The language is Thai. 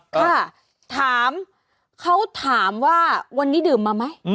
ค่ะถามเขาถามว่าวันนี้ดื่มมาไหม